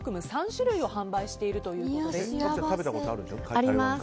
３種類を販売しているということです。